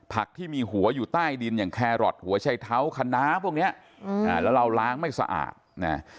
ผักที่มีหัวอยู่ใต้ดินอย่างแครอทหัวไชเท้าคณะพวกเนี้ยแล้วเราล้างไม่สะอาดเนี่ย